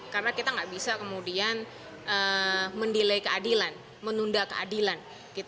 karena kita nggak bisa kemudian mendilai keadilan menunda keadilan